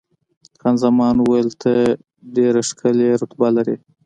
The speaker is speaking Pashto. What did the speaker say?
خان زمان وویل، ته ډېره ښکلې رتبه لرې.